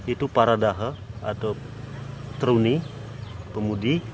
itu para daha atau truni pemudi